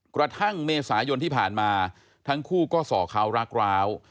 กระทั่งเมษายนที่ผ่านมาทั้งคู่ก็ส่อเขารักร้าว